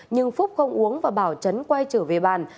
nhưng phúc không uống và bảo trấn quay trở về bàn